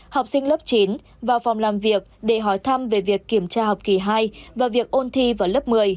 học sinh lớp chín vào phòng làm việc để hỏi thăm về việc kiểm tra học kỳ hai và việc ôn thi vào lớp một mươi